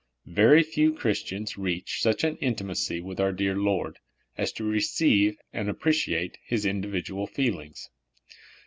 Very few Christians reach such an intimacy with our dear Lord as to receive and appreciate His individ ual feelings.